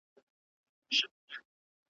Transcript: چي زه راځمه خزان به تېر وي .